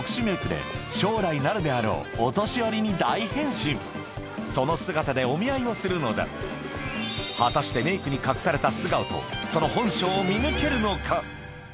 それがその姿でお見合いをするのだ果たしてメイクに隠された素顔とその本性を見抜けるのか？